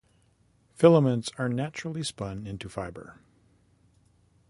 Filaments are finally spun into fiber.